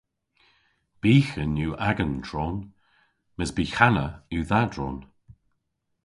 Byghan yw agan tron mes byghanna yw dha dron!